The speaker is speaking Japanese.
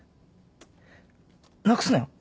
なくすなよ。